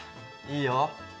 いいよ。